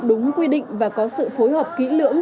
đúng quy định và có sự phối hợp kỹ lưỡng